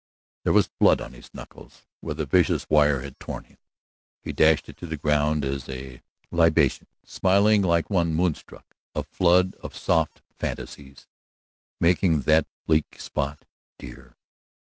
There was blood on his knuckles where the vicious wire had torn him. He dashed it to the ground as a libation, smiling like one moonstruck, a flood of soft fancies making that bleak spot dear.